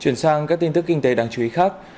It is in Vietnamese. chuyển sang các tin tức kinh tế đáng chú ý khác